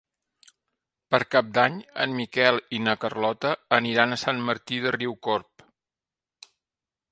Per Cap d'Any en Miquel i na Carlota aniran a Sant Martí de Riucorb.